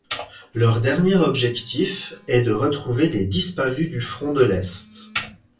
Leur dernier objectif est de retrouver les disparus du front de l'Est.